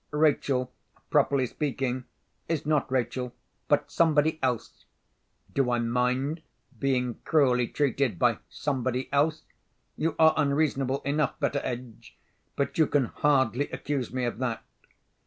Rachel, properly speaking, is not Rachel, but Somebody Else. Do I mind being cruelly treated by Somebody Else? You are unreasonable enough, Betteredge; but you can hardly accuse me of that.